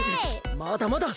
まだまだ！